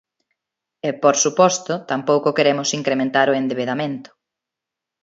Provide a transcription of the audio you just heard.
E, por suposto, tampouco queremos incrementar o endebedamento.